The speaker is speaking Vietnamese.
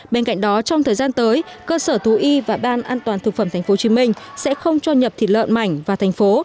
bên cạnh đó trong thời gian tới cơ sở thú y và ban an toàn thực phẩm tp hcm sẽ không cho nhập thịt lợn mảnh vào thành phố